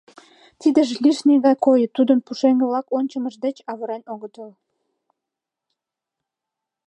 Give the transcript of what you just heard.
Тидыже лишне гай койо, тудым пушеҥге-влак ончымыж деч авырен огытыл.